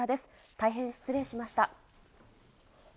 大変失礼しました。